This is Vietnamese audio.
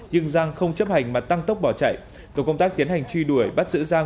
nhưng giang không chấp hành mà tăng tốc bỏ chạy tổ công tác tiến hành truy đuổi bắt giữ giang